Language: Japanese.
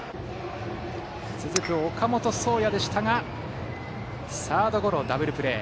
続く岡本壮矢でしたがサードゴロ、ダブルプレー。